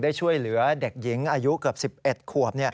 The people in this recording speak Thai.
ช่วยเหลือเด็กหญิงอายุเกือบ๑๑ขวบ